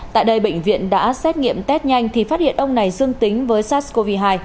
tại đây bệnh viện đã xét nghiệm test nhanh thì phát hiện ông này dương tính với sars cov hai